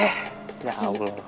eh ya allah